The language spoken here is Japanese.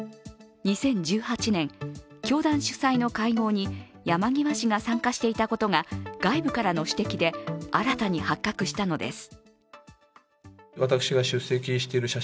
２０１８年、教団主催の会合に山際氏が参加していたことが外部からの指摘で新たに発覚したのです。